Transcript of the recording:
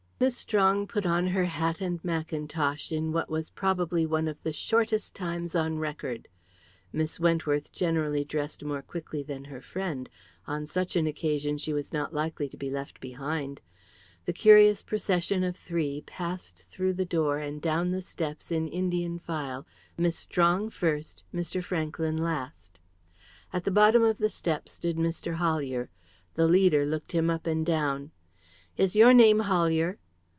Miss Strong put on her hat and mackintosh in what was probably one of the shortest times on record. Miss Wentworth generally dressed more quickly than her friend; on such an occasion she was not likely to be left behind. The curious procession of three passed through the door and down the steps in Indian file, Miss Strong first, Mr. Franklyn last. At the bottom of the steps stood Mr. Hollier. The leader looked him up and down. "Is your name Hollier?"